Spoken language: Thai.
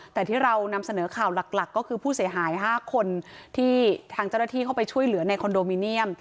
แต่ที่เรานำเสนอข่าวหลักก็คือผู้เสียหาย๕คนที่ทางเจ้าหน้าที่เข้าไปช่วยเหลือในคอนโดมิเนียม